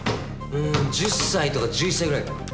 うーん１０歳とか１１歳ぐらいかな。